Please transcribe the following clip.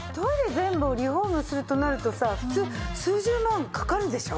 全部をリフォームするとなるとさ普通数十万かかるでしょ？